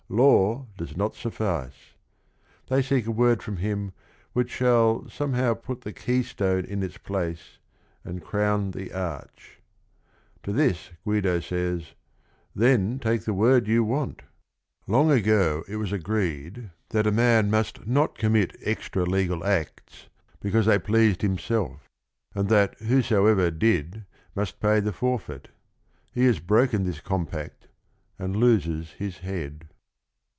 Law does not suffice. They seek a word from him which shall "somehow put the keystone in its place and crown the arch." To this Guido says, "Then take the word you want." Long ago it was agreed that a man must not GUIDO 177 commit extra legal acts because they pleased himself, — and that whosoever did must pay the forfeit. He has broken this compact and loses his head.